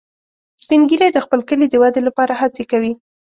سپین ږیری د خپل کلي د ودې لپاره هڅې کوي